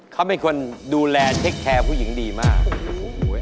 เขาเป็นคนดูแลสุขผู้หญิงดีมาก